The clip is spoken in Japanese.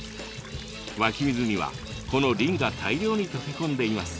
湧き水にはこのリンが大量に溶け込んでいます。